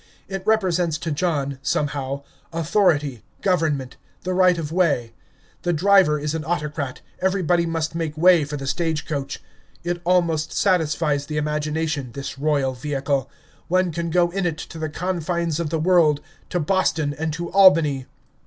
It represents to John, somehow, authority, government, the right of way; the driver is an autocrat, everybody must make way for the stage coach. It almost satisfies the imagination, this royal vehicle; one can go in it to the confines of the world, to Boston and to Albany.